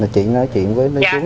chị nói chuyện với mấy chú nha